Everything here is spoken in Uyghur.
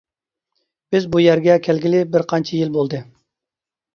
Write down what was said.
بىز بۇ يەرگە كەلگىلى بىر قانچە يىل بولدى.